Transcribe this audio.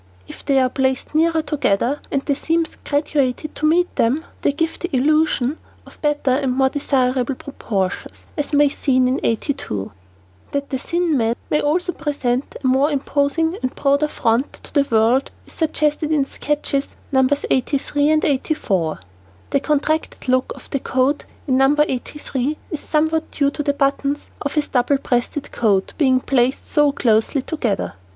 If they are placed nearer together, and the seams graduated to meet them, they give the illusion of better and more desirable proportions, as may be seen in No. 82. [Illustration: NO. 81] [Illustration: NO. 82] That the thin man may also present a more imposing and broader front to the world, is suggested in sketches Nos. 83 and 84. The contracted look of the coat in No. 83 is somewhat due to the buttons of his double breasted coat being placed too closely together.